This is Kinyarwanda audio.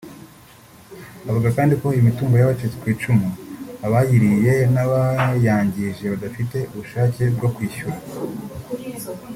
Avuga kandi ko imitungo y’abacitse ku icumu abayiriye n’abayangije badafite ubushake bwo kwishyura